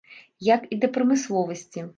Як і да прамысловасці.